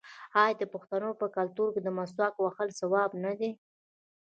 آیا د پښتنو په کلتور کې د مسواک وهل ثواب نه دی؟